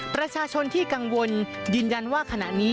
ประชาชนที่กังวลยืนยันว่าขณะนี้